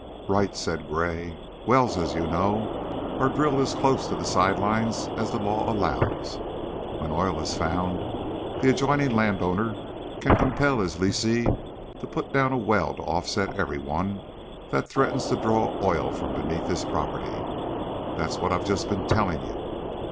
"Right!" said Gray. "Wells, as you know, are drilled as close to the side lines as the law allows. When oil is found, the adjoining landowner can compel his lessee to put down a well to offset every one that threatens to draw oil from beneath his property." "That's what I've just been telling you."